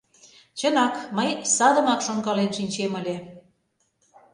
Чынак, мый садымак шонкален шинчем ыле.